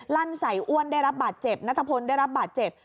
ลั่นใส่อ้วนได้รับบาดเจ็บนัทพลได้รับบาดเจ็บ